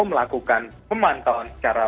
melakukan pemantauan secara